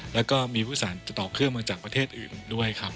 แล้วก็มีผู้สารจะต่อเครื่องมาจากประเทศอื่นด้วยครับ